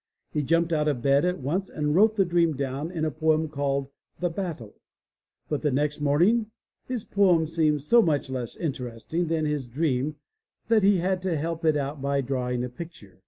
He jumped out of bed at once and wrote the dream down in a poem called The Battle, But the next morning his poem seemed so much less inter esting than his dream that he had to help it out by drawing a pic ture!